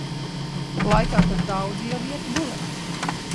Laikā, kad daudzi jau ietu gulēt.